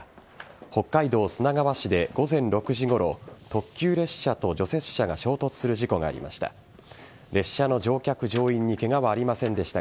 北海道砂川市で午前６時ごろ特急列車と除雪車が衝突する事故がありました。